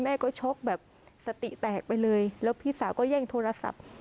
แม่ก็ชกแบบสติแตกไปเลยแล้วพี่สาวก็แย่งโทรศัพท์